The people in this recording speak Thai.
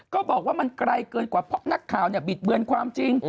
ก็บอกว่ามันไกลเกินกว่าเพราะนักข่าวบิดเบือนความจริง